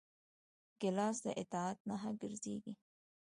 ګیلاس د اطاعت نښه ګرځېږي.